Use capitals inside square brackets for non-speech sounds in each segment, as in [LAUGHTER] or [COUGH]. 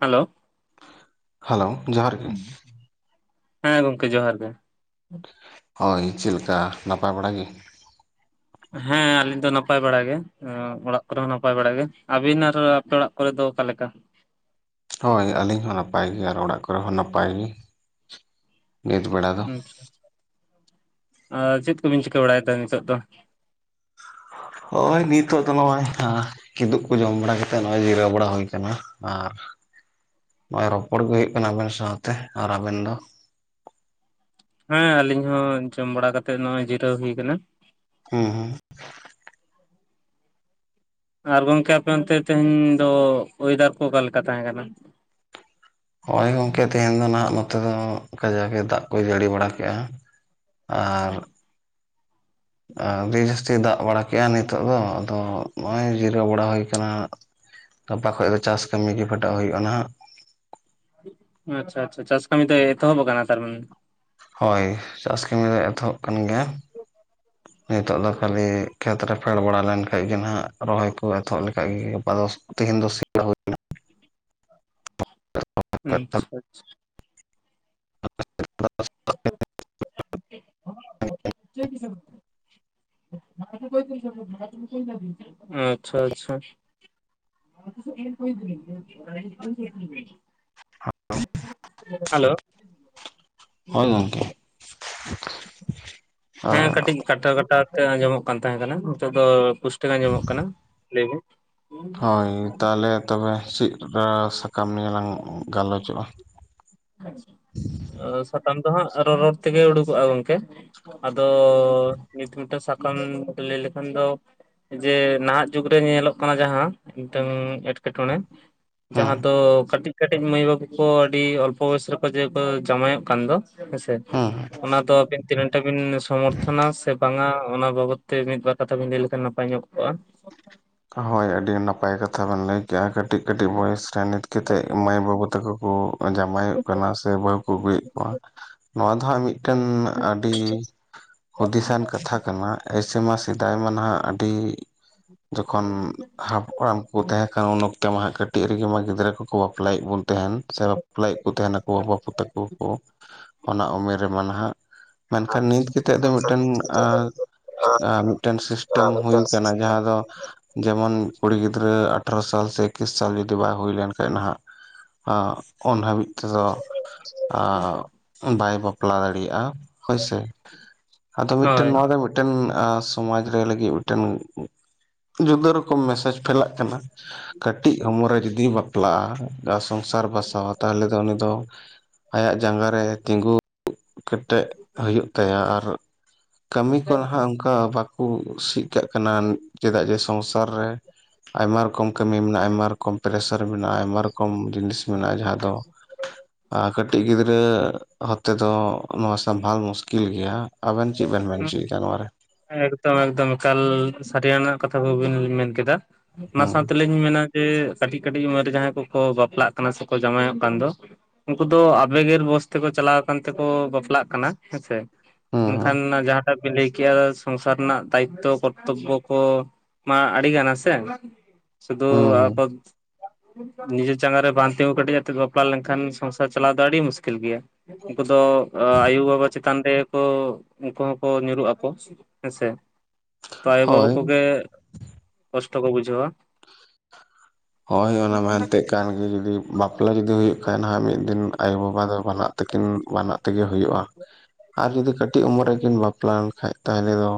Hello hello ᱡᱚᱦᱟᱨ ᱜᱮ᱾ ᱦᱮᱸ ᱜᱚᱝᱠᱮ ᱡᱚᱦᱟᱨ ᱜᱮ᱾ ᱦᱳᱭ ᱪᱮᱜ ᱞᱮᱠᱟ ᱱᱟᱯᱟᱭ ᱵᱟᱲᱟ ᱜᱮ? ᱦᱮᱸ ᱟᱞᱤᱧ ᱫᱚ ᱱᱟᱯᱟᱭ ᱵᱟᱲ ᱜᱮ, ᱚᱲᱟᱜ ᱠᱚᱨᱮ ᱦᱚᱸ ᱱᱟᱯᱟᱭ ᱵᱟᱲᱟ ᱜᱮ, ᱟᱹᱵᱤᱱ ᱟᱨ ᱟᱯᱮ ᱚᱲᱟᱜ ᱠᱚᱨᱮ ᱫᱚ ᱚᱠᱟᱞᱮᱠᱟ? ᱦᱳᱭ ᱟᱹᱞᱤᱧ ᱦᱚᱸ ᱱᱟᱯᱟᱭ ᱜᱮ, ᱟᱨ ᱚᱲᱟᱜ ᱠᱚᱨᱮ ᱦᱚᱸ ᱱᱟᱯᱟᱭ ᱜᱮ, ᱱᱤᱛ ᱵᱮᱲᱟ ᱫᱚ᱾ ᱟᱨ ᱪᱮᱫ ᱠᱩᱵᱤᱱ ᱪᱤᱠᱟᱹ ᱵᱟᱲᱟᱭᱫᱟ ᱱᱤᱛᱳᱜ ᱫᱚ? ᱦᱳᱭ ᱱᱤᱛᱳᱜ ᱫᱚ ᱱᱚᱜ ᱚᱭ ᱠᱤᱫᱩᱵ ᱠᱚ ᱡᱚᱢ ᱵᱟᱲᱟ ᱠᱟᱛᱮᱫ ᱱᱚᱜ-ᱚᱭ ᱡᱤᱨᱟᱹᱣ ᱵᱟᱲᱟ ᱦᱩᱭ ᱠᱟᱱᱟ, ᱟᱨ ᱱᱚᱜᱚᱭ ᱨᱚᱯᱚᱲ ᱜᱮ ᱦᱩᱭᱩᱜ ᱠᱟᱱᱟ ᱟᱵᱮᱱ ᱥᱟᱶᱛᱮ, ᱟᱨ ᱟᱵᱮᱱ ᱫᱚ? ᱦᱮᱸ, ᱟᱞᱤᱧ ᱦᱚᱸ ᱡᱚᱢ ᱵᱟᱲᱟ ᱠᱟᱛᱮᱜ ᱱᱚᱜ-ᱚᱭ ᱡᱤᱨᱟᱹᱣ ᱦᱩᱭ ᱠᱟᱱᱟ᱾ [UNINTELLIGIBLE] ᱟᱨ ᱜᱚᱝᱠᱮ ᱟᱯᱮ ᱚᱱᱛᱮ ᱛᱮᱦᱮᱧ ᱫᱚ ᱚᱭᱮᱫᱟᱨ ᱠᱚ ᱚᱠᱟ ᱞᱮᱠᱟ ᱛᱟᱦᱮᱸ ᱠᱟᱱᱟ? ᱦᱚᱜ-ᱚᱭ ᱜᱚᱝᱠᱮ ᱛᱮᱦᱮᱱ ᱫᱚ ᱱᱟᱦᱟᱜ ᱱᱚᱛᱮ ᱫᱚ ᱠᱟᱡᱟᱠ ᱮ ᱫᱟᱜ ᱠᱚᱭ ᱡᱟᱲᱤ ᱵᱟᱲᱟ ᱠᱮᱜ-ᱟ᱾ ᱟᱨ ᱟᱹᱰᱤ ᱡᱟᱹᱥᱛᱤ ᱫᱟᱜ ᱵᱟᱲᱟ ᱠᱮᱜ-ᱟ ᱱᱤᱛᱚᱜ ᱫᱚ ᱟᱫᱚ ᱱᱚᱜ-ᱚᱭ ᱡᱤᱨᱟᱹᱣ ᱵᱟᱲᱟ ᱦᱩᱭ ᱠᱟᱱᱟ᱾ ᱜᱟᱯᱟ ᱠᱷᱚᱡ ᱫᱚ ᱪᱟᱥ ᱠᱟᱹᱢᱤ ᱜᱮ ᱯᱷᱮᱴᱚᱜ ᱦᱩᱭᱩᱜ-ᱟ ᱱᱟᱦᱟᱜ᱾ ᱟᱪᱪᱷᱟ ᱟᱪᱪᱷᱟ, ᱪᱟᱥ ᱠᱟᱹᱢᱤ ᱫᱚ ᱮᱛᱚᱦᱚᱵ ᱠᱟᱱᱟ ᱛᱟᱨᱢᱟᱱᱮ? ᱦᱳᱭ, ᱪᱟᱥ ᱠᱟᱹᱢᱤ ᱫᱚ ᱮᱛᱚᱦᱚᱵ ᱠᱟᱱ ᱜᱮᱭᱟ᱾ ᱱᱤᱛᱚᱜ ᱫᱚ ᱠᱷᱟᱹᱞᱤ ᱠᱷᱮᱛ ᱨᱮ ᱯᱷᱮᱰ ᱵᱟᱲᱟ ᱞᱮᱱ ᱠᱷᱟᱱᱴᱡ ᱜᱮ ᱱᱟᱦᱟᱜ ᱨᱚᱦᱚᱭ ᱠᱚ ᱮᱛᱚᱦᱚᱵ ᱞᱮᱠᱷᱟᱡ ᱜᱮ ᱜᱟᱯᱟ ᱫᱚ ᱛᱤᱦᱤᱝ ᱫᱚ ᱥᱤ [UNINTELLIGIBLE] ᱟᱪᱪᱷᱟ ᱟᱪᱪᱷᱟ᱾ [UNINTELLIGIBLE] [UNINTELLIGIBLE] ᱵᱩᱡᱷᱟᱹᱣ ᱠᱮᱫᱟ ᱵᱤᱱ? [UNINTELLIGIBLE] ᱟᱪᱪᱷᱟ ᱟᱪᱪᱷᱟ ᱾ [UNINTELLIGIBLE] [UNINTELLIGIBLE] ᱦᱮᱞᱳ᱾ ᱦᱳᱭ ᱜᱚᱝᱠᱮ᱾ ᱦᱮᱸ, ᱟᱨ ᱠᱟᱹᱴᱤᱡ ᱠᱟᱴᱟᱣ ᱠᱟᱴᱟᱣ ᱛᱮ ᱟᱸᱡᱚᱢᱚᱜ ᱠᱟᱱ ᱛᱟᱦᱮᱸ ᱠᱟᱱᱟ ᱱᱤᱛᱚᱜ ᱫᱚ ᱯᱩᱥᱴᱟᱹ ᱜᱮ ᱟᱸᱡᱚᱢᱚᱜ ᱠᱟᱱᱟ ᱞᱟᱹᱭ ᱵᱤᱱ᱾ ᱦᱳᱭ, ᱛᱟᱦᱞᱮ ᱛᱚᱵᱮ ᱪᱤᱱ ᱠᱟ ᱥᱟᱠᱟᱢ ᱱᱤᱭᱮ ᱞᱟᱝ ᱜᱟᱞᱚᱪᱚᱜ-ᱟ? ᱥᱟᱛᱟᱢ ᱫᱚ ᱦᱟᱸᱜ ᱨᱚᱨᱚᱲ ᱛᱮᱜᱮ ᱩᱰᱩᱠᱚᱜ-ᱟ ᱜᱚᱝᱠᱮ᱾ ᱟᱫᱚ ᱱᱤᱛ ᱢᱤᱫᱴᱮᱱ ᱥᱟᱠᱟᱢ ᱞᱟᱹᱭ ᱞᱮᱠᱷᱟᱱ ᱫᱚ ᱡᱮ ᱱᱟᱦᱟᱜ ᱡᱩᱜᱽᱨᱮ ᱧᱮᱞᱚᱜ ᱠᱟᱱᱟ ᱡᱟᱦᱟᱸ ᱢᱤᱫᱴᱟᱝ ᱮᱸᱴᱠᱮ ᱴᱚᱬᱮ᱾ ᱡᱟᱦᱟᱸ ᱦᱩᱸ ᱫᱚ ᱠᱟᱹᱴᱤᱡ ᱠᱟᱹᱴᱤᱡ ᱢᱟᱹᱭ ᱵᱟᱹᱵᱩ ᱠᱚ ᱟᱹᱰᱤ ᱚᱞᱯᱚ ᱵᱚᱭᱚᱥ ᱨᱮᱠᱚ ᱡᱮᱠᱚ ᱡᱟᱶᱟᱭᱚᱜ ᱠᱟᱱ ᱫᱚ᱾ ᱦᱮᱸ ᱥᱮ, ᱦᱩᱸ ᱚᱱᱟ ᱫᱚ ᱟᱹᱵᱤᱱ ᱛᱤᱱᱟᱹᱜ ᱴᱟ ᱵᱤᱱ ᱥᱚᱢᱚᱨᱛᱷᱚᱱᱟ ᱥᱮ ᱵᱟᱝᱟ? ᱚᱱᱟ ᱵᱟᱵᱚᱛ ᱛᱮ ᱢᱤᱫᱵᱟᱨ ᱠᱟᱛᱷᱟ ᱵᱤᱱ ᱞᱟᱹᱭ ᱞᱮᱠᱷᱟᱱ ᱱᱟᱯᱟᱭ ᱧᱚᱜ ᱠᱚᱜ-ᱟ᱾ ᱦᱳᱭ, ᱟᱹᱰᱤ ᱱᱟᱯᱟᱭ ᱠᱟᱛᱷᱟ ᱵᱮᱱ ᱞᱟᱹᱭ ᱠᱮᱜ-ᱟ, ᱠᱟᱹᱴᱤᱡ ᱠᱟᱹᱴᱤᱡ ᱵᱚᱭᱮᱥ ᱱᱤᱛ ᱠᱮᱴᱮᱜ ᱢᱟᱹᱭ ᱵᱟᱹᱵᱩ ᱛᱟᱠᱚ ᱠᱚ ᱡᱟᱢᱟᱭᱚᱜ ᱠᱟᱱᱟ ᱥᱮ ᱵᱟᱹᱦᱩ ᱠᱚ ᱟᱹᱜᱩᱭᱮᱫ ᱠᱚᱣᱟ᱾ ᱱᱚᱣᱟ ᱫᱚ ᱦᱟᱸᱜ ᱢᱤᱫᱴᱮᱱ ᱟᱹᱰᱤ ᱦᱩᱫᱤᱥᱟᱱ ᱠᱟᱛᱷᱟ ᱠᱟᱱᱟ, ᱮᱥ ᱥᱮᱢᱟ ᱥᱮᱫᱟᱭ ᱢᱟ ᱱᱟᱦᱟᱜ ᱟᱹᱰᱤ [INAUDIBLE] ᱡᱚᱠᱷᱚᱱ ᱦᱟᱯᱲᱟᱢ ᱠᱚ ᱛᱟᱦᱮᱸ ᱠᱟᱱᱟ, ᱩᱱ ᱚᱠᱛᱮ ᱢᱟ ᱦᱟᱸᱜ ᱠᱟᱹᱴᱤᱡ ᱨᱮᱜᱮ ᱢᱟ ᱜᱤᱫᱽᱨᱟᱹ ᱠᱚ ᱠᱚ ᱵᱟᱯᱞᱟᱭᱮᱫ ᱵᱚᱱ ᱛᱟᱦᱮᱱ ᱥᱮ ᱵᱟᱯᱞᱟᱭᱮᱫ ᱠᱚ ᱛᱟᱦᱮ ᱱᱟᱠᱚ ᱵᱟᱯᱩ ᱛᱮᱠᱚ ᱠᱚ᱾ ᱚᱱᱟ ᱩᱢᱮᱨ ᱨᱮᱢᱟ ᱱᱟᱦᱟᱜ ᱢᱮᱱᱠᱷᱟᱱ ᱱᱤᱛ ᱠᱟᱛᱮᱜ ᱫᱚ ᱢᱤᱫᱴᱮᱱ ᱟᱨ ᱢᱤᱫᱴᱮᱱ ᱥᱤᱥᱴᱮᱢ ᱦᱩᱭ ᱟᱠᱟᱱᱟ, ᱡᱟᱦᱟᱸ ᱫᱚ ᱡᱮᱢᱚᱱ ᱠᱩᱲᱤ ᱜᱤᱫᱽᱨᱟᱹ ᱟᱴᱷᱨᱚ ᱥᱟᱞ ᱥᱮ ᱮᱠᱠᱤᱥ ᱥᱟᱞ ᱡᱩᱫᱤ ᱵᱟᱭ ᱦᱩᱭ ᱞᱮᱱᱠᱷᱟᱡ ᱱᱟᱦᱟᱜ ᱟᱻ ᱩᱱ ᱦᱟᱹᱵᱤᱡ ᱛᱮᱫᱚ ᱟᱻ ᱵᱟᱭ ᱵᱟᱯᱞᱟ ᱫᱟᱲᱤᱭᱟᱜ-ᱟ᱾ ᱦᱳᱭᱥᱮ, ᱟᱫᱚ ᱢᱤᱫᱴᱮᱱ ᱦᱳᱭ ᱱᱚᱣᱟ ᱫᱚ ᱢᱤᱫᱴᱮᱱ ᱥᱚᱢᱟᱡ ᱨᱮ ᱞᱟᱹᱜᱤᱫ ᱢᱤᱫᱴᱮᱱ ᱡᱩᱫᱟᱹ ᱨᱚᱠᱚᱢ ᱢᱮᱥᱮᱡᱽ ᱯᱷᱮᱞᱟᱜ ᱠᱟᱱᱟ ᱠᱟᱹᱴᱤᱡ ᱩᱢᱟᱹᱨ ᱨᱮ ᱡᱩᱫᱤ ᱵᱟᱯᱞᱟᱜ-ᱟ᱾ ᱥᱚᱝᱥᱟᱨ ᱵᱟᱥᱟᱣᱟ, ᱛᱟᱦᱚᱞᱮ ᱫᱚ ᱩᱱᱤ ᱫᱚ ᱟᱭᱟᱜ ᱡᱟᱸᱜᱟ ᱨᱮ ᱛᱤᱸᱜᱩ ᱠᱟᱹᱴ ᱴᱮᱫ ᱦᱩᱭᱩᱜ ᱛᱟᱭᱟ ᱟᱨ ᱠᱟᱹᱢᱤ ᱠᱚ ᱱᱟᱦᱟᱜ ᱚᱝᱠᱟ ᱚᱱᱠᱟ ᱵᱟᱠᱩ ᱪᱤᱜ ᱠᱟᱜ ᱠᱟᱱᱟ᱾ ᱪᱮᱫᱟᱜ ᱡᱮ ᱥᱚᱝᱥᱟᱨ ᱨᱮ ᱟᱭᱢᱟ ᱨᱚᱠᱚᱢ ᱠᱟᱹᱢᱤ ᱢᱮᱱᱟᱜᱼᱟ ᱟᱭᱢᱟ ᱨᱚᱠ ᱠᱚᱢ ᱯᱮᱨᱮᱥᱟᱨᱮ ᱢᱮᱱᱟᱜᱼᱟ, ᱟᱭᱢᱟ ᱨᱚᱠᱚᱢ ᱡᱤᱱᱤᱥ ᱢᱮᱱᱟᱜᱼᱟ, ᱡᱟᱦᱟᱸ ᱫᱚ ᱠᱟᱹᱴᱤᱡ ᱜᱤᱫᱽᱨᱟᱹ ᱦᱟᱛᱮ ᱫᱚ ᱱᱚᱣᱟ ᱥᱟᱢᱵᱷᱟᱞ ᱢᱩᱥᱠᱤᱞ ᱜᱮᱭᱟ, ᱟᱵᱮᱱ ᱪᱤᱜ ᱵᱮᱱ ᱢᱮᱱ ᱦᱚᱪᱚᱭᱮᱫᱟ ᱱᱚᱣᱟ ᱨᱮ? ᱮᱠᱫᱚᱢ ᱮᱠᱫᱚᱢ ᱮᱠᱟᱞ ᱥᱟᱹᱨᱤᱭᱟᱱᱟᱜ ᱠᱟᱛᱷᱟ ᱠᱚᱵᱤᱱ ᱢᱮᱱ ᱠᱮᱫᱟ, ᱚᱱᱟ ᱦᱩᱸ ᱥᱟᱶᱛᱮ ᱞᱤᱧ ᱤᱧ ᱢᱮᱱᱟ ᱡᱮ ᱠᱟᱹᱴᱤᱡ ᱠᱟᱹᱴᱤᱡ ᱩᱢᱮᱨ ᱨᱮ ᱡᱟᱦᱟᱸᱭ ᱠᱚᱠᱚ ᱵᱟᱯᱞᱟᱜ ᱠᱟᱱᱟ ᱥᱮᱠᱚ ᱡᱟᱶᱟᱭᱚᱜ ᱠᱟᱱ ᱫᱚ ᱩᱱᱠᱩ ᱫᱚ ᱟᱵᱮᱜᱮᱨ ᱵᱚᱥ ᱛᱮᱠᱚ ᱪᱟᱞᱟᱣ ᱠᱟᱱ ᱛᱮᱠᱚ ᱵᱟᱯᱞᱟᱜ ᱠᱟᱱᱟ, ᱦᱮᱸᱥᱮ? ᱦᱩᱸ ᱢᱮᱱ ᱦᱩᱸ ᱠᱷᱟᱱ ᱡᱟᱦᱟᱸᱴᱟᱜ ᱵᱤᱱ ᱞᱟᱹᱭ ᱠᱮᱜᱼᱟ ᱥᱚᱝᱥᱟᱨ ᱨᱮᱱᱟᱜ ᱫᱟᱭᱤᱛᱛᱚ ᱠᱚᱨᱛᱚᱵᱽᱵᱚ ᱠᱚ ᱢᱟ ᱟᱹᱰᱤᱜᱟᱱᱟ ᱥᱮ ᱥᱩᱫᱷᱩ ᱦᱩᱸ ᱟᱯᱚᱫ ᱱᱤᱡᱮᱨ ᱪᱟᱸᱜᱟ ᱨᱮ ᱵᱟᱝ ᱛᱤᱸᱜᱩ ᱠᱮᱴᱮᱡ ᱟᱛᱮᱜ ᱵᱟᱯᱞᱟ ᱞᱮᱱᱠᱷᱟᱱ ᱥᱚᱝᱥᱟᱨ ᱪᱟᱞᱟᱣ ᱫᱚ ᱟᱹᱰᱤ ᱢᱩᱥᱠᱤᱞ ᱜᱮᱭᱟ᱾ ᱩᱱᱠᱩ ᱫᱚ ᱮ ᱟᱭᱩ ᱵᱟᱵᱟ ᱪᱮᱛᱟᱱ ᱨᱮ ᱠᱚ ᱩᱱᱠᱩ ᱦᱚᱸᱠᱚ ᱧᱩᱨᱩᱜ ᱟᱠᱚ ᱦᱮᱸ ᱥᱮ? ᱛᱚ ᱟᱭᱳ ᱵᱟᱵᱟ ᱦᱳᱭ ᱠᱚᱜᱮ ᱠᱚᱥᱴᱚ ᱠᱚ ᱵᱩᱡᱷᱟᱹᱣᱟ᱾ ᱦᱳᱭ ᱚᱱᱟ ᱢᱟ ᱮᱱᱛᱮᱜ ᱮᱠᱟᱱ ᱜᱤ ᱡᱩᱫᱤ ᱵᱟᱯᱞᱟ ᱡᱩᱫᱤ ᱦᱩᱭᱩᱜ ᱠᱷᱟᱱ ᱦᱟᱸᱜ ᱢᱤᱫ ᱫᱤᱱ ᱟᱭᱳ ᱵᱟᱵᱟ ᱫᱚ ᱵᱟᱱᱟᱜ ᱛᱮᱠᱤᱱ ᱵᱮᱱᱟᱜ ᱛᱤᱜᱤ ᱦᱩᱭᱩᱜᱼᱟ ᱟᱨ ᱡᱩᱫᱤ ᱠᱟᱹᱴᱤᱡ ᱩᱢᱮᱨ ᱨᱮᱠᱤᱱ ᱵᱟᱯᱞᱟ ᱞᱮᱱ ᱠᱷᱟᱡ ᱛᱟᱦᱚᱞᱮ ᱫᱚ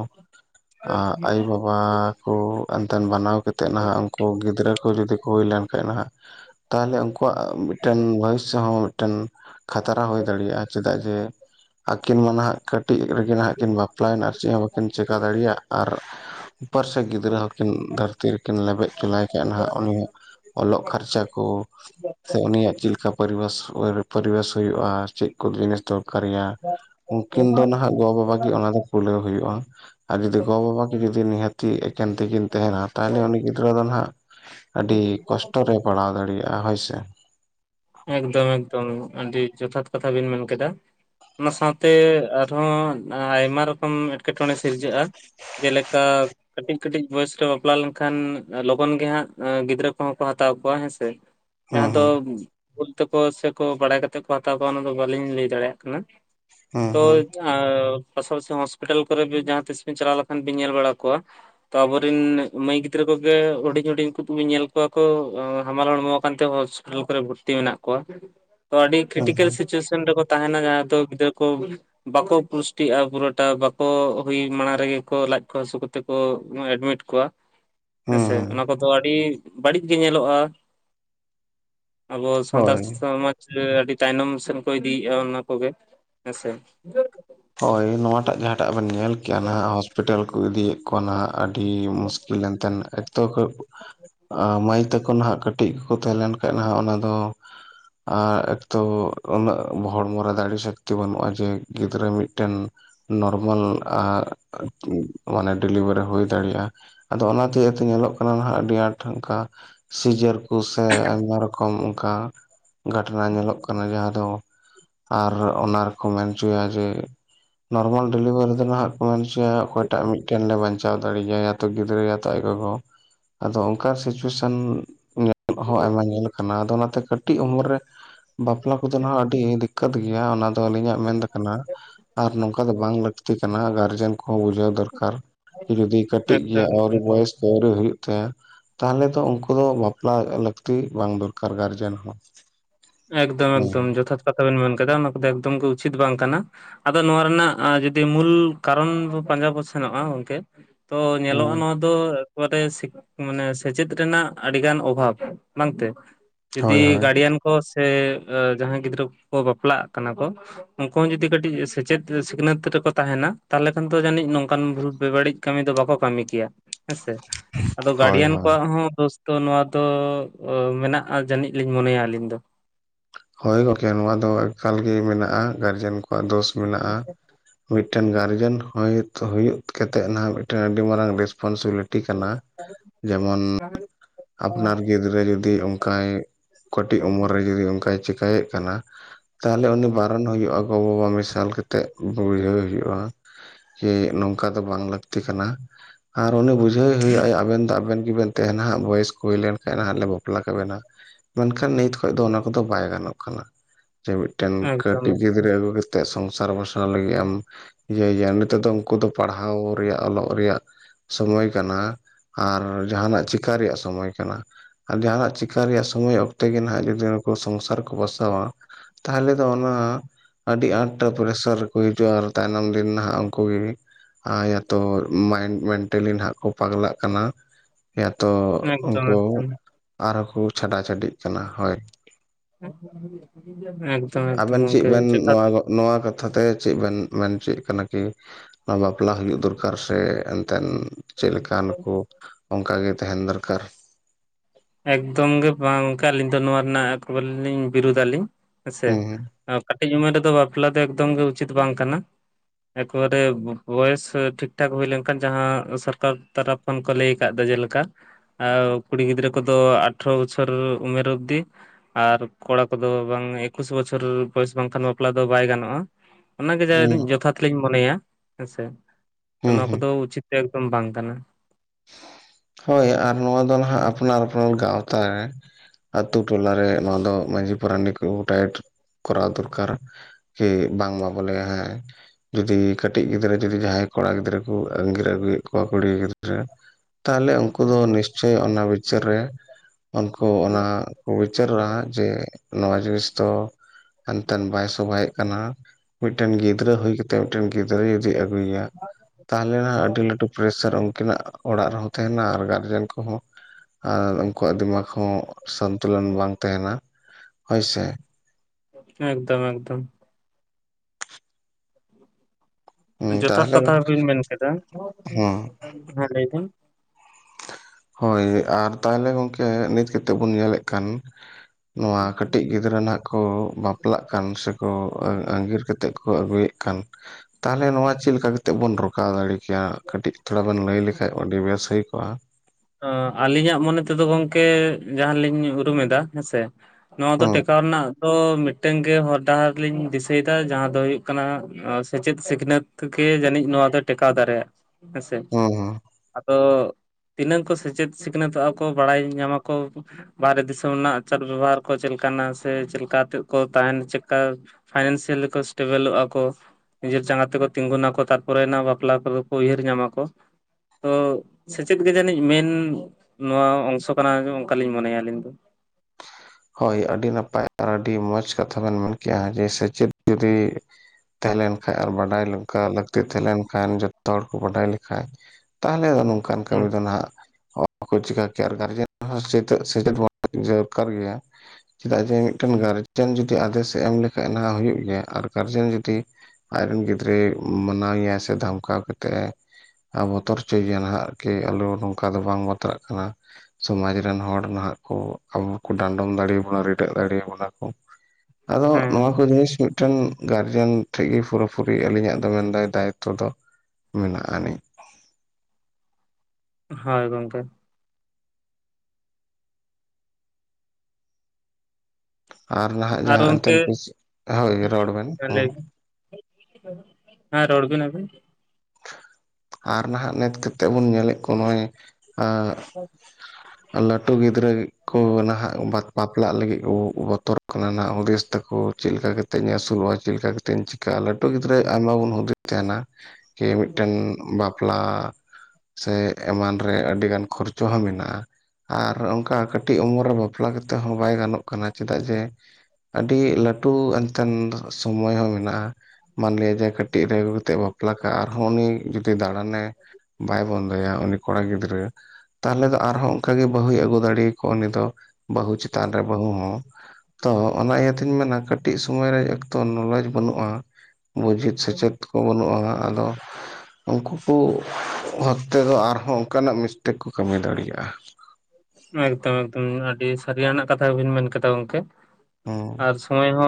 ᱟ ᱟᱭᱩ ᱵᱟᱵᱟ ᱠᱚ ᱮᱱ ᱛᱮᱫ ᱵᱟᱱᱟᱣ ᱠᱮᱛᱮᱫ ᱱᱟᱦᱟᱜ ᱩᱱᱠᱩ ᱜᱤᱫᱽᱨᱟᱹ ᱠᱩ ᱡᱩᱫᱤ ᱦᱩᱭ ᱞᱮᱱᱠᱷᱟᱡ ᱱᱟᱦᱟᱜ ᱛᱟᱦᱞᱮ ᱩᱱᱠᱩᱣᱟᱜ ᱢᱤᱫᱴᱮᱱ ᱵᱷᱚᱭᱮᱥ ᱥᱟᱶ ᱦᱚᱸ ᱢᱤᱫᱴᱮᱱ ᱠᱷᱟᱛᱨᱟ ᱦᱩᱭ ᱫᱟᱲᱮᱭᱟᱜᱼᱟ, ᱪᱮᱫᱟᱜ ᱡᱮ ᱟᱹᱠᱤᱱ ᱢᱟ ᱱᱟᱦᱟᱜ ᱠᱟᱹᱴᱤᱡ ᱨᱮᱜᱮ ᱱᱟᱦᱟᱸᱜ ᱠᱤᱱ ᱵᱟᱯᱞᱟᱭᱮᱱ ᱟᱨ ᱪᱮᱫ ᱦᱚᱸ ᱵᱟᱹᱠᱤᱱ ᱪᱤᱠᱟᱹ ᱫᱟᱲᱮᱭᱟᱜ ᱟᱨ ᱩᱯᱟ. ᱨ ᱥᱮ ᱜᱤᱫᱽᱨᱟᱹ ᱦᱚᱸᱠᱤᱱ ᱫᱷᱟᱹᱨᱛᱤ ᱨᱮᱠᱤᱱ ᱞᱮᱵᱮᱫ ᱪᱩᱞᱟᱭ ᱠᱷᱟᱡ ᱱᱟᱦᱟᱜ ᱩᱱᱤᱭᱟᱜ ᱚᱞᱚᱜ ᱠᱷᱟᱨᱪᱟ ᱠᱩ, ᱥᱮ ᱩᱱᱤᱭᱟᱜ ᱪᱤᱜ ᱠᱟ ᱯᱚᱨᱤᱵᱟᱥ ᱯᱚᱨᱤᱵᱮᱥ ᱦᱩᱭᱩᱜᱼᱟ, ᱪᱮᱫ ᱠᱚ ᱡᱤᱱᱤᱥ ᱫᱚᱨ ᱠᱟᱨᱟᱭᱟ ᱩᱱᱠᱤᱱ ᱫᱚ ᱱᱟᱦᱟᱸᱜ ᱜᱚᱼᱵᱟᱵᱟ ᱜᱤ ᱚᱱᱟ ᱫᱚ ᱠᱩᱞᱟᱹᱣ ᱦᱩᱭᱩᱜᱼᱟ᱾ ᱟᱨ ᱡᱩᱫᱤ ᱜᱚᱼᱵᱟ ᱠᱤ ᱡᱩᱫᱤ ᱱᱤᱦᱟᱹᱛᱤ ᱮᱠᱮᱱ ᱛᱤ ᱠᱤᱱ ᱛᱟᱦᱮᱱᱟ ᱛᱟᱦᱚᱞᱮ ᱩᱱᱤ ᱜᱤᱫᱽᱨᱟᱹ ᱫᱚ ᱱᱟᱦᱟᱸᱜ ᱟᱹᱰᱤ ᱠᱚᱥᱴᱚ ᱨᱮᱭ ᱯᱟᱲᱦᱟᱣ ᱫᱟᱲᱮᱭᱟᱜᱼᱟ ᱦᱳᱭ ᱥᱮ᱾ ᱮᱠᱫᱚᱢ ᱮᱠᱫᱚᱢ ᱟᱹᱰᱤ ᱡᱚᱛᱷᱟᱛ ᱠᱟᱛᱷᱟ ᱵᱤᱱ ᱢᱮᱱ ᱠᱮᱫᱟ᱾ ᱚᱱᱟ ᱥᱟᱶᱛᱮ ᱟᱨᱦᱚᱸ ᱮᱸ ᱟᱭᱢᱟ ᱨᱚᱠᱚᱢ ᱮᱸᱴᱠᱮᱴᱚᱬᱮ ᱥᱤᱨᱡᱟᱹᱜᱼᱟ᱾ ᱡᱮᱞᱮᱠᱟ ᱠᱟᱹᱴᱤᱡ ᱠᱟᱹᱴᱤᱡ ᱵᱚᱭᱮᱥ ᱨᱮ ᱵᱟᱯᱞᱟ ᱞᱮᱱᱠᱷᱟᱱ ᱞᱚᱜᱚᱱ ᱜᱮ ᱦᱟᱸᱜ ᱜᱤᱫᱽᱨᱟᱹ ᱠᱚᱦᱚᱸ ᱠᱚ ᱦᱟᱛᱟᱣ ᱠᱚᱣᱟ ᱦᱮᱸ ᱥᱮ? ᱦᱩᱸ ᱡᱟᱦᱟᱸ ᱫᱚ ᱦᱩᱸ ᱵᱷᱩᱞ ᱛᱮᱠᱚ ᱥᱮᱠᱚ ᱵᱟᱲᱟᱭ ᱠᱟᱛᱮᱫ ᱠᱚ ᱦᱟᱛᱟᱣ ᱠᱚᱣᱟ ᱚᱱᱟ ᱫᱚ ᱵᱟᱹᱞᱤᱧ ᱞᱟᱹᱭ ᱫᱟᱲᱮᱭᱟᱜ ᱠᱟᱱᱟ᱾ ᱦᱩᱸ ᱛᱚᱻ ᱟᱨ ᱯᱟᱥᱟᱯᱟᱥᱤ ᱦᱚᱥᱯᱤᱴᱟᱞ ᱠᱚᱨᱮ ᱵᱤ ᱡᱟᱦᱟᱸ ᱛᱤᱥᱵᱤᱱ ᱪᱟᱞᱟᱣ ᱞᱮᱠᱷᱟᱱ ᱵᱤᱱ ᱧᱮᱞ ᱵᱟᱲᱟ ᱠᱚᱣᱟ ᱛᱚ ᱟᱵᱩᱨᱮᱱ ᱢᱟᱹᱭ ᱜᱤᱫᱽᱨᱟᱹ ᱠᱚᱜᱮ ᱦᱩᱰᱤᱧ ᱦᱩᱰᱤᱧ ᱠᱩ ᱜᱤᱵᱮᱱ ᱧᱮᱞ ᱠᱚᱣᱟ ᱠᱚ ᱦᱟᱢᱟᱞ ᱦᱚᱲᱢᱚ ᱠᱟᱱᱛᱮ ᱵᱚᱸ ᱦᱟᱹᱞᱟᱹᱣ ᱠᱚᱨᱮ ᱵᱷᱚᱨᱛᱤ ᱢᱮᱱᱟᱜ ᱠᱚᱣᱟ ᱛᱚ ᱟᱹᱰᱤ ᱦᱩᱸ ᱦᱩᱸ ᱠᱨᱤᱴᱤᱠᱮᱞ ᱥᱤᱪᱩᱭᱮᱥᱚᱱ ᱨᱮᱠᱚ ᱛᱟᱦᱮᱸᱱᱟ ᱡᱟᱦᱟᱸ ᱫᱚ ᱜᱤᱫᱽᱨᱟᱹ ᱠᱚᱵ ᱵᱟᱠᱚ ᱯᱩᱥᱴᱤᱜᱼᱟ ᱯᱩᱨᱟᱹᱴᱟ ᱵᱟᱠᱚ ᱦᱩᱭ ᱢᱟᱲᱟᱝ ᱨᱮᱜᱮ ᱠᱚ ᱞᱟᱡ ᱠᱚ ᱦᱟᱹᱥᱩ ᱠᱚ ᱛᱮᱠᱚ ᱮᱰᱢᱤᱴ ᱠᱚᱣᱟ ᱦᱩᱸ ᱦᱩᱸ ᱦᱮᱸᱥᱮ ᱦᱩᱸ ᱚᱱᱟ ᱠᱚᱫᱚ ᱟᱹᱰᱤ ᱵᱟᱹᱲᱤᱡ ᱜᱮ ᱧᱮᱞᱚᱜᱼᱟ᱾ ᱟᱵᱚ ᱥᱟᱱᱛᱟᱲ ᱦᱳᱭ ᱥᱚᱢᱟᱡᱽ ᱥᱮ ᱟᱹᱰᱤ ᱛᱟᱭᱱᱚᱢ ᱥᱮᱱ ᱠᱚ ᱤᱫᱤᱭᱮᱜᱼᱟ ᱚᱱᱟ ᱠᱚᱜᱮ ᱦᱮᱸᱥᱮ᱾ ᱦᱚᱭ ᱱᱚᱣᱟᱴᱟᱜ ᱡᱟᱦᱟᱸᱴᱟᱜ ᱵᱮᱱ ᱧᱮᱞ ᱠᱮᱜᱭᱟ ᱱᱟᱦᱟᱸᱜ ᱦᱚᱥᱯᱤᱴᱟᱞ ᱠᱚ ᱤᱫᱤᱭᱮᱫ ᱠᱚᱣᱟ ᱱᱟᱦᱟᱸᱜ ᱟᱹᱰᱤ ᱢᱩᱥᱠᱤᱞ ᱮᱱᱛᱮᱱ ᱮᱠᱛᱚ ᱠᱷᱩᱜ ᱟᱸ ᱢᱟᱹᱭ ᱛᱟᱠᱚ ᱱᱟᱦᱟᱸᱜ ᱠᱟᱹᱴ ᱴᱤᱡ ᱠᱩ ᱛᱮᱦᱮᱸ ᱞᱮᱱᱠᱷᱟᱱ ᱦᱟᱸᱜ ᱚᱱᱟ ᱫᱚ ᱟᱨ ᱮᱠᱛᱚ ᱩᱱᱟᱹᱜ ᱦᱚᱲᱢᱚ ᱨᱮ ᱫᱟᱲᱮ ᱥᱚᱠᱛᱤ ᱵᱟᱹᱱᱩᱜᱼᱟ ᱡᱮ ᱜᱤᱫᱽᱨᱟᱹ ᱢᱤᱫ ᱢᱤᱫᱴᱮᱱ ᱱᱚᱨᱢᱟᱞ ᱟ ᱢᱟᱱᱮ ᱰᱮᱞᱤᱵᱷᱟᱨᱤ ᱦᱩᱭ ᱫᱟᱲᱮᱭᱟᱜᱼᱟ᱾ ᱟᱫᱚ ᱚᱱᱟ ᱫᱤᱭᱮ ᱛᱮ ᱧᱮᱞᱚᱜ ᱠᱟᱱᱟ ᱱᱷᱟᱜ ᱟᱹᱰᱤ ᱟᱸᱴ ᱚᱱᱠᱟ᱾ ᱥᱤᱡᱟᱹᱨ ᱠᱚ ᱥᱮ ᱟᱭᱢᱟ ᱨᱚᱠᱚᱢ ᱚᱱᱠᱟ᱾ ᱜᱷᱚᱴᱚᱱᱟ ᱧᱮᱞᱚᱜ ᱠᱟᱱᱟ ᱡᱟᱦᱟᱸ ᱫᱚ ᱟᱨ ᱚᱱᱟ ᱨᱮᱠᱚ ᱢᱮᱱ ᱦᱚᱪᱚᱭᱟ ᱡᱮ ᱱᱚᱨᱢᱟᱞ ᱰᱮᱞᱤᱵᱷᱟᱨᱤ ᱫᱚ ᱱᱟᱦᱟᱜ ᱠᱚ ᱢᱮᱱ ᱚᱪᱚᱭᱟ ᱚᱠᱚᱭᱴᱟᱜ ᱢᱤᱫᱴᱮᱱ ᱞᱮ ᱵᱟᱧ ᱪᱟᱣ ᱫᱟᱲᱮᱭᱟᱭᱟ ᱛᱚ ᱜᱤᱫᱽᱨᱟᱹ ᱜᱮᱛᱚ ᱟᱫᱚ ᱟᱡ ᱜᱚᱜᱚ᱾ ᱟᱝᱚ ᱚᱱᱠᱟ ᱥᱤᱪᱩᱭᱮᱥᱮᱱ ᱦᱚᱸ ᱟᱭᱢᱟ ᱧᱮᱞ ᱠᱟᱱᱟ ᱟᱫᱚ ᱚᱱᱟᱛᱮ ᱠᱟᱹᱴᱤᱡ ᱩᱢᱮᱨ ᱨᱮ ᱵᱟᱯᱞᱟ ᱠᱚᱫᱚ ᱱᱦᱟᱸᱜ ᱟᱹᱰᱤ ᱫᱤᱠᱠᱚᱛ ᱜᱮᱭᱟ ᱚᱱᱟ ᱫᱚ ᱟᱹᱞᱤᱧᱟᱜ ᱢᱮᱱ ᱫᱚ ᱠᱟᱱᱟ᱾ ᱟᱨ ᱱᱚᱝᱠᱟ ᱫᱚ ᱵᱟᱝ ᱞᱟᱹᱠᱛᱤ ᱠᱟᱱᱟ᱾ ᱜᱟᱨᱡᱮᱱ ᱠᱚᱦᱚᱸ ᱵᱩᱡᱷᱟᱹᱣ ᱫᱚᱨᱠᱟᱨ᱾ ᱡᱩᱫᱤ ᱠᱟᱹᱴᱤᱡ ᱜᱮᱭᱟ ᱮᱠᱫᱚᱢ ᱟᱹᱣᱨᱤ ᱮᱠᱫᱚᱢ ᱵᱚᱭᱮᱥ ᱟᱹᱣᱨᱤ ᱦᱩᱭᱩᱜ ᱛᱟᱭᱟ᱾ ᱛᱟᱦᱚᱞᱮ ᱫᱚ ᱩᱱᱠᱩ ᱫᱚ ᱵᱟᱯᱞᱟ ᱞᱟᱹᱠᱛᱤ ᱵᱟᱝ ᱫᱚᱨᱠᱟᱨ ᱜᱟᱨᱡᱮᱱ ᱦᱚᱸ᱾ ᱮᱠᱫᱚᱢ ᱦᱮᱸ ᱮᱠᱫᱚᱢ ᱡᱚᱛᱷᱟᱛ ᱠᱟᱛᱷᱟ ᱵᱮᱱ ᱢᱮᱱ ᱠᱮᱫᱟ ᱚᱱᱟ ᱠᱚᱫᱚ ᱮᱠᱫᱚᱢ ᱜᱮ ᱩᱪᱤᱛ ᱵᱟᱝ ᱠᱟᱱᱟ᱾ ᱟᱫᱚ ᱱᱚᱣᱟ ᱨᱮᱱᱟᱜ ᱟ ᱡᱩᱫᱤ ᱢᱩᱞ ᱠᱟᱨᱚᱱ ᱵᱚ ᱯᱟᱸᱡᱟ ᱵᱚᱱ ᱥᱮᱱᱚᱜᱼᱟ ᱜᱚᱢᱠᱮ᱾ ᱛᱚ ᱧᱮᱞᱚᱜᱼᱟ ᱱᱚᱣᱟ ᱫᱚ ᱮᱠᱟᱨᱮ ᱥᱤᱠ ᱢᱟᱱᱮ ᱥᱮᱪᱮᱫ ᱨᱮᱱᱟᱜ ᱟᱹᱰᱤ ᱜᱟᱱ ᱚᱵᱷᱟᱵ᱾ ᱵᱟᱝ ᱛᱮ? ᱦᱳᱭ ᱡᱩᱫᱤ ᱦᱳᱭ ᱜᱟᱨᱰᱤᱭᱟᱱ ᱠᱚ ᱥᱮ ᱮ ᱡᱟᱦᱟᱸᱭ ᱜᱤᱫᱽᱨᱟᱹ ᱠᱚᱠᱚ ᱵᱟᱯᱞᱟᱜ ᱠᱟᱱᱟ ᱠᱚ᱾ ᱩᱱᱠᱩ ᱦᱚᱸ ᱡᱩᱫᱤ ᱠᱟᱹᱴᱤᱡ ᱥᱮᱪᱮᱫ ᱥᱤᱠᱷᱱᱟᱹᱛ ᱨᱮᱠᱚ ᱛᱟᱦᱮᱱᱟ ᱛᱟᱦᱞᱮ ᱠᱷᱟᱱ ᱫᱚ ᱡᱟᱹᱱᱤᱡ ᱱᱚᱝᱠᱟᱱ ᱵᱷᱩᱞ ᱵᱮᱵᱟᱹᱲᱤᱡ ᱠᱟᱹᱢᱤ ᱫᱚ ᱵᱟᱠᱚ ᱠᱟᱹᱢᱤ ᱠᱮᱭᱟ ᱦᱮᱸ ᱥᱮ ᱟᱫᱚ ᱦᱳᱭ ᱜᱟᱨᱰᱤᱭᱟᱱ ᱦᱳᱭ ᱠᱚᱣᱟᱜ ᱦᱚᱸ ᱫᱚᱥ ᱛᱚ ᱱᱚᱣᱟ ᱫᱚ ᱢᱮᱱᱟᱜᱼᱟ ᱡᱟᱹᱱᱤᱡ ᱞᱤᱧ ᱢᱚᱱᱮᱭᱟ ᱟᱹᱞᱤᱧ ᱫᱚ ᱾ ᱦᱳᱭ ᱜᱚᱝᱠᱮ ᱱᱚᱣᱟ ᱫᱚ ᱮᱠᱟᱞ ᱜᱮ ᱢᱮᱱᱟᱜᱼᱟ ᱜᱟᱨᱡᱮᱱ ᱠᱚᱣᱟᱜ ᱫᱳᱥ ᱢᱮᱱᱟᱜᱼᱟ ᱾ ᱢᱤᱫᱴᱮᱱ ᱜᱟᱨᱡᱮᱱ ᱦᱚᱭ ᱛᱚ ᱦᱩᱭᱩᱜ ᱠᱟᱛᱮᱫ ᱱᱷᱟᱜ ᱢᱤᱫᱴᱮᱱ ᱟᱹᱰᱤ ᱢᱟᱨᱟᱝ ᱨᱮᱥᱯᱚᱱᱥᱤᱵᱤᱞᱤ ᱴᱤ ᱠᱟᱱᱟ ᱡᱮᱢᱚᱱ ᱟᱯᱱᱟᱨ ᱜᱤᱫᱽᱨᱟᱹ ᱡᱩᱫᱤ ᱚᱱᱠᱟᱭ ᱠᱟᱹᱴᱤᱡ ᱩᱢᱮᱨ ᱨᱮ ᱡᱩᱫᱤ ᱚᱱᱠᱟᱭ ᱪᱮᱤᱠᱟᱹᱭᱮᱫ ᱠᱟᱱᱟ ᱛᱟᱦᱚᱞᱮ ᱩᱱᱤ ᱵᱟᱨᱚᱱ ᱦᱩᱭᱩᱜᱼᱟ ᱜᱚ ᱼᱵᱟᱵᱟ ᱢᱮᱥᱟᱞ ᱠᱟᱛᱮᱜ ᱵᱩᱡᱷᱟᱹᱣ ᱦᱩᱭᱩᱜᱼᱟ ᱾ ᱡᱮ ᱱᱚᱝᱠᱟ ᱫᱚ ᱵᱟᱝ ᱞᱟᱹᱠᱛᱤ ᱠᱟᱱᱟ ᱾ ᱟᱨ ᱩᱱᱤ ᱵᱩᱡᱷᱟᱹᱣ ᱮ ᱦᱩᱭᱩᱜᱼᱟ ᱟᱵᱮᱱ ᱫᱚ ᱟᱵᱮᱱ ᱜᱮᱵᱮᱱ ᱛᱟᱦᱮᱱᱟ ᱦᱟᱸᱜ ᱵᱚᱭᱮᱥ ᱦᱩᱭ ᱞᱮᱱ ᱠᱷᱟᱱ ᱱᱷᱟᱜ ᱞᱮ ᱵᱟᱯᱞᱟ ᱠᱟᱵᱮᱱᱟ ᱾ ᱢᱮᱱᱠᱷᱟᱱ ᱱᱤᱛ ᱠᱷᱚᱱ ᱫᱚ ᱚᱱᱟ ᱠᱚᱫᱚ ᱵᱟᱭ ᱜᱟᱱᱚᱜ ᱠᱟᱱᱟ ᱡᱮ ᱢᱤᱫᱴᱮᱱ ᱮᱠᱫᱚᱢ ᱠᱟᱹᱴᱤᱡ ᱜᱤᱫᱽᱨᱟᱹ ᱟᱹᱜᱩ ᱠᱟᱹ ᱛᱮ ᱥᱚᱝᱥᱟᱨ ᱵᱷᱟᱥᱟᱣ ᱞᱟᱹᱜᱤᱫ ᱮᱢ ᱤᱭᱟᱹᱭᱟ ᱱᱤᱛᱚᱜ ᱫᱚ ᱩᱱᱠᱩ ᱫᱚ ᱯᱟᱲᱦᱟᱣ ᱨᱮᱭᱟᱜ ᱚᱞᱚᱜ ᱨᱮᱭᱟᱜ ᱥᱚᱢᱚᱭ ᱠᱟᱱᱟ ᱟᱨ ᱡᱟᱦᱟᱸᱱᱟᱜ ᱪᱮᱠᱟ ᱨᱮᱭᱟᱜ ᱥᱚ ᱥᱚᱢᱚᱭ ᱠᱟᱱᱟ ᱟᱨ ᱡᱟᱦᱟᱸᱱᱟᱜ ᱪᱤᱠᱟᱹ ᱨᱮᱭᱟᱜ ᱥᱚᱢᱚᱭ ᱚᱠᱛᱮ ᱜᱮ ᱱᱷᱟᱜ ᱡᱩᱫᱤ ᱱᱩᱠᱩ ᱥᱚᱝᱥᱟᱨ ᱠᱚ ᱵᱟᱥᱟᱣᱟ ᱛᱟᱦᱚᱞᱮ ᱫᱚ ᱚᱱᱟ ᱟᱹᱰᱤ ᱟᱸᱴ ᱯᱨᱮᱥᱟᱨ ᱦᱩᱭ ᱦᱚᱪᱚ ᱟᱨ ᱛᱟᱭᱱᱚᱢ ᱫᱤᱱ ᱞᱮᱱ ᱱᱷᱟᱜ ᱩᱱᱠᱩ ᱜᱮ ᱭᱟᱛᱚ ᱢᱟᱭᱤᱱᱰ ᱢᱮᱱᱴᱟᱞᱤ ᱱᱷᱟᱜ ᱠᱚ ᱯᱟᱜᱽᱞᱟᱜ ᱠᱟᱱᱟ ᱭᱟᱛᱚ ᱮᱠᱫᱚᱢ ᱩᱱᱠᱩ ᱮᱠᱫᱚᱢ ᱟᱨᱦᱚᱸ ᱠᱚ ᱪᱷᱟᱰᱟᱼ ᱪᱷᱟᱹᱰᱤᱜ ᱠᱟᱱᱟ ᱦᱳᱭ ᱾ ᱮᱠᱫᱚᱢ ᱮᱠᱫᱚᱢ ᱟᱵᱮᱱ ᱪᱮᱫ ᱜᱚᱢᱠᱮ ᱵᱮᱱ ᱪᱮᱛᱟᱛ ᱱᱚᱣᱟ ᱱᱚᱣᱟ ᱠᱟᱛᱷᱟ ᱛᱮ ᱪᱮᱫ ᱵᱮᱱ ᱢᱮᱱ ᱦᱚᱪᱚᱭᱮᱫ ᱠᱟᱱᱟ ᱠᱤ ᱱᱚᱣᱟ ᱵᱟᱯᱞᱟ ᱦᱩᱭᱩᱜ ᱫᱚᱨᱠᱟᱨ ᱥᱮ ᱮᱱᱛᱮᱱ ᱪᱮᱫ ᱞᱮᱠᱟᱱ ᱱᱩᱠᱩ ᱚᱱᱠᱟ ᱜᱮ ᱛᱟᱦᱮᱱ ᱫᱚᱨᱠᱟᱨ ᱾ ᱮᱠᱫᱚᱢ ᱜᱮ ᱵᱟᱝ ᱜᱚᱢᱠᱮ ᱟᱹᱞᱤᱧ ᱫᱚ ᱱᱚᱣᱟ ᱨᱮᱱᱟᱜ ᱮᱠᱵᱟᱨᱮ ᱞᱤᱧ ᱵᱤᱨᱩᱫᱟᱞᱤᱧ ᱦᱮᱸᱥᱮ ᱦᱩᱸ ᱾ ᱠᱟᱹᱴᱤᱡ ᱩᱢᱮᱨ ᱨᱮᱫᱚ ᱵᱟᱯᱞᱟ ᱫᱚ ᱮᱠᱫᱚᱢ ᱜᱮ ᱩᱪᱤᱛ ᱵᱟᱝ ᱠᱟᱱᱟ ᱾ ᱮᱠᱵᱟᱨᱮ ᱵᱚᱭᱮᱥ ᱴᱷᱤᱠ ᱴᱷᱟᱠ ᱦᱩᱭ ᱞᱮᱱᱠᱷᱟᱱ ᱡᱟᱦᱟᱸ ᱥᱚᱨᱠᱟᱨ ᱛᱟᱨᱟᱯᱷ ᱠᱷᱚᱱ ᱠᱚ ᱞᱟᱹᱭ ᱟᱠᱟᱫ ᱡᱮᱞᱮᱠᱟ ᱠᱩᱲᱤ ᱜᱤᱫᱽᱨᱟᱹ ᱠᱚᱫᱚ ᱟᱴᱷᱚᱨᱚ ᱵᱚᱪᱷᱚᱨ ᱩᱢᱮᱨ ᱚᱵᱫᱤ ᱟᱨ ᱠᱚᱲᱟ ᱠᱚᱫᱚ ᱵᱟᱝ ᱮᱠᱩᱥ ᱵᱚᱪᱷᱚᱨ ᱵᱚᱭᱮᱥ ᱵᱟᱝᱠᱷᱟᱱ ᱵᱟᱯᱞᱟ ᱫᱚ ᱵᱟᱭ ᱜᱟᱱᱚᱜᱼᱟ ᱾ ᱚᱱᱟᱜᱮ ᱡᱟ ᱦᱩᱸ ᱡᱚᱛᱷᱟᱛᱞᱤᱧ ᱢᱚᱱᱮᱭᱟ ᱦᱮᱸᱥᱮ ᱛᱚ ᱦᱩᱸ ᱱᱚᱣᱟ ᱦᱩᱸ ᱠᱚᱫᱚ ᱩᱪᱤᱛ ᱵᱟᱝ ᱠᱟᱱᱟ ᱦᱳᱭ ᱟᱨ ᱱᱚᱣᱟ ᱫᱚ ᱱᱦᱟᱜ ᱟᱯᱱᱟᱨ ᱟᱯᱱᱟᱨ ᱜᱟᱶᱛᱟᱨᱮ, ᱟᱛᱩ ᱴᱚᱞᱟᱨᱮ ᱱᱚᱣᱟ ᱫᱚ ᱢᱟᱹᱡᱷᱤ ᱯᱟᱨᱟᱱᱤᱠ ᱠᱚ ᱜᱚᱴᱟᱭᱟ ᱠᱚᱨᱟᱣ ᱫᱚᱨᱠᱟᱨ᱾ ᱠᱤ ᱵᱟᱝ ᱢᱟ ᱵᱚᱞᱮ ᱦᱮ ᱡᱩᱫᱤ ᱠᱟᱹᱴᱤᱜ ᱜᱤᱫᱽᱨᱟᱹ ᱡᱩᱫᱤ ᱡᱟᱦᱟᱸᱭ ᱠᱚᱲᱟ ᱜᱤᱫᱽᱨᱟᱹ ᱠᱩ ᱟᱝᱜᱤᱨ ᱟᱹᱜᱩᱭᱮᱜ ᱠᱚᱣᱟ ᱠᱩᱲᱤ ᱜᱤᱫᱽ ᱛᱟᱦᱚᱞᱮ ᱩᱝᱠᱩ ᱫᱚ ᱱᱤᱥᱪᱳᱭ ᱚᱱᱟ ᱵᱤᱪᱟᱹᱨ ᱨᱮ ᱩᱱᱠᱩ ᱚᱱᱟ ᱠᱚ ᱵᱤᱪᱟᱹᱨᱟᱦᱟᱜ ᱡᱮ ᱱᱚᱣᱟ ᱡᱤᱱᱤᱥ ᱫᱚ ᱮᱱᱛᱮᱱ ᱵᱟᱭ ᱥᱚᱵᱷᱟᱭᱮᱫ ᱠᱟᱱᱟ, ᱢᱤᱫᱴᱮᱱ ᱜᱤᱫᱽᱨᱟᱹ ᱦᱩᱭ ᱠᱮᱛᱮᱜ ᱢᱤᱫᱴᱮᱱ ᱜᱤᱫᱽᱨᱟᱹ ᱡᱩᱫᱤᱭ ᱟᱹᱜᱩᱭᱟ ᱛᱟᱦᱞᱮ ᱱᱦᱟᱜ ᱟᱹᱰᱤ ᱞᱟᱹᱴᱩ ᱯᱨᱮᱥᱟᱨ ᱠᱤᱱᱟᱜ ᱚᱲᱟᱜ ᱨᱮᱦᱚᱸ ᱛᱮᱦᱮᱱᱟ ᱟᱨ ᱜᱟᱨᱡᱮᱱ ᱠᱚᱦᱚᱸ ᱟᱨ ᱩᱱᱠᱩᱣᱟᱜ ᱫᱤᱢᱟᱠ ᱦᱚᱸ ᱥᱟᱱᱛᱩᱞᱚᱱ ᱵᱟᱝ ᱛᱟᱦᱮᱱᱟ ᱦᱳᱭᱥᱮ, ᱮᱠᱫᱚᱢ ᱮᱠᱫᱚᱢ ᱡᱚᱛᱷᱟᱛ ᱠᱟᱛᱷᱟ ᱛᱟᱦᱚᱞᱮ ᱜᱮ ᱵᱮᱱ ᱢᱮᱱ ᱠᱮᱫᱟ ᱦᱮᱸ ᱞᱟᱹᱭᱵᱤᱱ ᱦᱳᱭ ᱟᱨ ᱛᱟᱦᱞᱮ ᱜᱚᱝᱠᱮ ᱱᱤᱛ ᱠᱟᱛᱮᱫ ᱵᱚᱱ ᱧᱮᱞᱮᱫ ᱠᱟᱱ ᱱᱚᱣᱟ ᱠᱟᱹᱴᱤᱜ ᱜᱤ ᱜᱤᱫᱽᱨᱟᱹ ᱱᱦᱟᱜ ᱠᱩ ᱵᱟᱯᱞᱟᱜ ᱠᱟᱱ ᱥᱮᱠᱚ ᱟᱸᱜᱤᱨ ᱠᱟᱛᱮᱫ ᱠᱚ ᱟᱹᱜᱩᱭᱮᱫ ᱠᱟᱱ ᱛᱟᱦᱞᱮ ᱱᱚᱣᱟ ᱪᱮᱞᱠᱟ ᱠᱟᱛᱮ ᱵᱚᱱ ᱨᱚᱯ ᱠᱟᱣ ᱫᱟᱲᱮ ᱠᱮᱭᱟ ᱠᱟᱹᱴᱤᱡ ᱛᱷᱚᱲᱟ ᱵᱮᱱ ᱞᱟᱹᱭ ᱞᱮᱠᱷᱟᱱ ᱟᱹᱰᱤ ᱵᱮᱥ ᱦᱩᱭ ᱠᱚᱜ-ᱟ᱾ ᱟᱹᱞᱤᱧᱟᱜ ᱢᱚᱱᱮ ᱛᱮᱫᱚ ᱜᱚᱝᱠᱮ ᱡᱟᱦᱟᱸᱞᱤᱧ ᱩᱨᱩᱢᱮᱫᱟ ᱦᱮᱸᱥᱮ ᱱᱚᱣᱟ ᱫᱚ ᱦᱮᱸ ᱴᱮᱠᱟᱣ ᱨᱮᱱᱟᱜ ᱫᱚ ᱢᱤᱫᱴᱟᱹᱝ ᱜᱮ ᱦᱚᱨ ᱰᱟᱦᱟᱨ ᱞᱤᱧ ᱫᱤᱥᱟᱹᱭᱮᱫᱟ ᱡᱟᱦᱟᱸ ᱫᱚ ᱦᱩᱭᱩᱜ ᱠᱟᱱᱟ ᱥᱮᱪᱮᱫ ᱥᱤᱠᱷᱱᱟᱹᱛ ᱜᱮ ᱡᱟᱹᱱᱤᱡ ᱱᱚᱣᱟ ᱫᱚᱭ ᱴᱮᱠᱟᱣ ᱫᱟᱨᱮᱭᱟᱜ, ᱦᱮᱥᱮ ᱦᱮᱸ ᱦᱮᱸ ᱟᱫᱚ ᱛᱤᱱᱟᱹᱜ ᱠᱚ ᱥᱮᱪᱮᱫ ᱥᱤᱠᱷᱱᱟᱹᱛᱚᱜ-ᱟ ᱠᱚ ᱵᱟᱲᱟᱭ ᱧᱟᱢᱟᱠᱚ ᱵᱟᱦᱨᱮ ᱫᱤᱥᱚᱢ ᱨᱮᱱᱟᱜ ᱟᱪᱟᱨ ᱵᱮᱵᱚᱦᱟᱨ ᱠᱚ ᱪᱮᱫᱞᱮᱠᱟᱱᱟ ᱥᱮ ᱪᱮᱫᱠᱟᱛᱮᱫ ᱠᱚ ᱛᱟᱦᱮᱱᱟ ᱪᱮᱫᱠᱟ ᱯᱷᱟᱭᱮᱱᱥᱤᱭᱟᱞᱤ ᱠᱚ ᱮᱥᱴᱮᱵᱮᱞᱚᱜ-ᱟ ᱠᱚ, ᱱᱤᱡᱮᱨ ᱡᱟᱸᱜᱟ ᱛᱮᱠᱚ ᱛᱤᱸᱜᱩᱱᱟᱠᱚ ᱛᱟᱨᱯᱚᱨᱮ ᱵᱟᱯᱞᱟ ᱠᱚᱫᱚ ᱠᱚ ᱩᱭᱦᱟᱹᱨ ᱧᱟᱢᱟᱠᱚ ᱛᱚ ᱛᱮᱫ ᱜᱮ ᱡᱟᱹᱱᱤᱡ ᱢᱮᱱ ᱱᱚᱣᱟ ᱚᱝᱥᱚ ᱠᱟᱱᱟ ᱚᱝᱠᱟᱞᱤᱧ ᱢᱚᱱᱮᱭᱟ ᱟᱹᱞᱤᱧ ᱫᱚ᱾ ᱦᱳᱭ ᱟᱹᱰᱤ ᱱᱟᱯᱟᱭ ᱟᱨ ᱟᱹᱰᱤ ᱢᱚᱸᱡᱽ ᱠᱟᱛᱷᱟ ᱵᱮᱱ ᱢᱮᱱ ᱠᱮᱜ-ᱟ ᱡᱮ ᱥᱮᱪᱮᱫ ᱡᱩᱫᱤ ᱛᱮᱦᱮᱸ ᱞᱮᱱᱠᱷᱟᱡ ᱟᱨ ᱵᱟᱰᱟᱭ ᱞᱮᱠᱟᱱ ᱞᱟᱹᱠᱛᱤ ᱛᱟᱦᱮᱸ ᱞᱮᱱᱠᱷᱟᱱ ᱡᱚᱛᱚ ᱦᱚᱲ ᱠᱚ ᱵᱟᱰᱟᱭ ᱞᱮᱠᱷᱟᱡ ᱛᱟᱦᱚᱞᱮ ᱫᱚ ᱱᱩ ᱚᱱᱠᱟᱱ ᱦᱩᱸ ᱠᱟᱹᱢᱤ ᱫᱚ ᱱᱟᱦᱟᱜ ᱵᱟᱠᱚ ᱪᱤᱠᱟ ᱠᱮᱭᱟ ᱟᱨ ᱜᱟᱨᱡᱮᱱ ᱦᱚᱸ ᱥᱮᱪᱮᱫ [UNINTELLIGIBLE] ᱠᱟᱨ ᱜᱮᱭᱟ, ᱪᱮᱫᱟᱜ ᱡᱮ ᱢᱤᱫᱴᱮᱱ ᱜᱟᱨᱡᱮᱱ ᱡᱩᱫᱤ ᱟᱫᱮᱥ ᱮ ᱮᱢ ᱞᱮᱠᱷᱟᱡ ᱚᱱᱟᱱ ᱦᱟᱜ ᱦᱩᱭᱩᱜ ᱜᱮᱭᱟ ᱟᱨ ᱜᱟᱨᱡᱮᱱ ᱡᱩᱫᱤ ᱟᱡᱽ ᱨᱮᱱ ᱜᱤᱫᱽᱨᱟᱹᱭ ᱢᱟᱱᱟᱣᱭᱟ ᱥᱮ ᱫᱷᱟᱢᱠᱟᱣ ᱠᱟᱛᱮ ᱮ ᱵᱚᱛᱚᱨᱪᱚᱭᱭᱟ ᱱᱦᱟᱜ ᱠᱤ ᱟᱞᱚ ᱱᱚᱝᱠᱟ ᱫᱚ ᱵᱟᱝ ᱵᱟᱛᱨᱟᱜ ᱠᱟᱱᱟ᱾ ᱥᱚᱢᱟᱡᱽ ᱨᱮᱱ ᱦᱚᱲ ᱱᱟᱦᱟᱜ ᱠᱚ, ᱟᱵᱚ ᱠᱚ ᱰᱟᱸᱰᱚᱢ ᱫᱟᱲᱮᱭᱟᱵᱚᱱᱟ ᱨᱤᱰᱟᱹᱜ ᱫᱟᱲᱮᱭᱟᱵᱚᱱᱟ ᱠᱚ ᱟᱫᱚ ᱦᱮᱸ ᱱᱚᱣᱟ ᱠᱚ ᱡᱤᱱᱤᱥ? ᱴᱟᱹᱱ ᱜᱟᱨᱡᱮᱱ ᱴᱷᱮᱡ ᱜᱮ ᱯᱩᱨᱟᱹᱯᱩᱨᱤ ᱟᱹᱞᱤᱧᱟᱜ ᱫᱚ ᱢᱮᱱ ᱫᱟᱭ ᱫᱟᱭᱤᱛᱛᱚ ᱫᱚ ᱢᱮᱱᱟᱜ ᱟᱹᱱᱤᱡ᱾ ᱦᱳᱭ ᱜᱚᱝᱠᱮ᱾ ᱟᱨ ᱱᱟᱦᱟᱜ ᱟᱨ ᱡᱟᱦᱟᱸ ᱜᱚᱝᱠᱮ ᱮᱱᱛᱮᱱ ᱦᱳᱭ ᱨᱚᱲ ᱵᱮᱱ ᱦᱩᱸ ᱞᱟᱹᱭ ᱵᱤᱱ ᱦᱮᱸ ᱨᱚᱲ ᱵᱤᱱ ᱟᱵᱤᱱ? ᱟᱨ ᱱᱟᱦᱟᱜ ᱱᱤᱛ ᱠᱟᱛᱮᱜ ᱵᱚᱱ ᱧᱮᱞᱮᱫ ᱠᱚ ᱱᱚᱜ-ᱚᱭ ᱞᱟᱹᱴᱩ ᱜᱤᱫᱽᱨᱟᱹ ᱠᱚ ᱱᱟᱦᱟᱜ ᱵᱟᱯ ᱵᱟᱯ ᱯᱞᱟᱜ ᱞᱟᱹᱜᱤᱫ ᱠᱚ ᱵᱚᱛᱚᱨᱚᱜ ᱠᱟᱱᱟ ᱱᱟᱜ ᱦᱩᱫᱤᱥ ᱛᱟᱠᱩ ᱪᱮᱫ ᱞᱮᱠᱟ ᱠᱟᱛᱮᱧ ᱟᱹᱥᱩᱞᱚᱜ-ᱟ ᱪᱮᱫ ᱞᱮᱠᱟ ᱠᱟᱛᱮᱧ ᱠᱟ ᱞᱟᱹᱴᱩ ᱜᱤᱫᱽᱨᱟᱹ ᱟᱭᱢᱟ ᱵᱚᱱ ᱦᱩᱫᱤᱭ ᱛᱟᱦᱮᱱᱟ ᱡᱮ ᱢᱤᱫᱴᱮᱱ ᱵᱟᱯᱞᱟ? ᱥᱮ ᱮᱢᱟᱱ ᱨᱮ ᱟᱹᱰᱤᱜᱟᱱ ᱠᱷᱚᱨᱪᱚ ᱦᱚᱸ ᱢᱮᱱᱟᱜ-ᱟ᱾ ᱟᱨ ᱚᱱᱠᱟ ᱠᱟᱹᱴᱤᱡ ᱩᱢᱮᱹᱨ ᱨᱮ ᱵᱟᱯᱞᱟ ᱠᱟᱛᱮᱜ ᱦᱚᱸ ᱵᱟᱭ ᱜᱟᱱᱚᱜ ᱠᱟᱱᱟ ᱪᱮᱫᱟᱜ ᱡᱮ, ᱟᱹᱰᱤ ᱞᱟᱹᱴᱩ ᱮᱱᱛᱮᱱ ᱥᱚᱢᱚᱭ ᱦᱚᱸ ᱢᱮᱱᱟᱜ-ᱟ᱾ ᱢᱟ ᱞᱟᱹᱭᱫᱟ ᱠᱟᱹᱴᱤᱡ ᱨᱮ ᱟᱹᱜᱩ ᱠᱟᱛᱮᱜ ᱵᱟᱯᱞᱟ᱾ ᱟᱨᱦᱚᱸ ᱩᱱᱤ ᱡᱩᱫᱤ ᱫᱟᱬᱟᱱᱮ ᱵᱟᱭ ᱵᱚᱱᱫᱚᱭᱟ ᱩᱱᱤ ᱠᱚᱲᱟ ᱜᱤᱫᱽᱨᱟᱹ, ᱛᱟᱦᱞᱮ ᱫᱚ ᱟᱨᱦᱚᱸ ᱚᱱᱠᱟᱜᱮ ᱵᱟᱹᱦᱩᱭ ᱟᱹᱜᱩ ᱫᱟᱲᱮᱭᱟ ᱠᱚᱣᱟ ᱩᱱᱤ ᱫᱚ ᱵᱟᱹᱦᱩ ᱪᱮᱛᱟᱱ ᱨᱮ ᱵᱟᱹᱦᱩ ᱦᱚᱸ᱾ ᱛᱚ ᱚᱱᱟ ᱤᱭᱟᱹᱛᱮᱧ ᱢᱮᱱᱟ ᱠᱟᱹᱴᱤᱡ ᱥᱚᱢᱚᱭ ᱨᱮ ᱮᱠᱛᱚ ᱱᱚᱞᱚᱡᱽ ᱵᱟᱹᱱᱩᱜ-ᱟ᱾ ᱵᱩᱡᱮᱫ ᱥᱮᱪᱮᱫ ᱠᱚ ᱵᱟᱹᱱᱩᱜ-ᱟ ᱟᱫᱚ᱾ ᱩᱝᱠᱩ ᱠᱚ ᱦᱚᱛ ᱛᱮ ᱫᱚ ᱟᱨᱦᱚᱸ ᱚᱝᱠᱟᱱᱟᱜ ᱢᱤᱥᱴᱮᱠ ᱠᱚ ᱠᱟᱹᱢᱤ ᱫᱟᱲᱮᱭᱟᱜ-ᱟ᱾ ᱮᱠᱫᱚᱢ ᱮᱠᱫᱚᱢ ᱟᱹᱰᱤ ᱥᱟᱹᱨᱤᱭᱟᱱᱟᱜ ᱠᱟᱛᱷᱟ ᱠᱚᱵᱤᱱ ᱢᱮᱱ ᱠᱟᱫᱟ ᱜᱚᱝᱠᱮ ᱦᱮᱸ ᱟᱨ ᱥᱳᱢᱚᱭ ᱦᱚᱸ